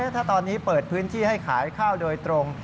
ถ้าตอนนี้เปิดพื้นที่ให้ขายข้าวโดยตรง